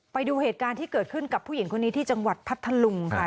ไปดูเหตุการณ์ที่เกิดขึ้นกับผู้หญิงคนนี้ที่จังหวัดพัทธลุงค่ะ